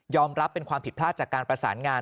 รับเป็นความผิดพลาดจากการประสานงาน